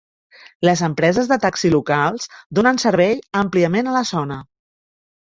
Les empreses de taxi locals donen servei àmpliament a la zona.